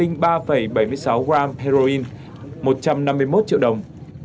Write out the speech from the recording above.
sáu gram heroin một trăm năm mươi một triệu đồng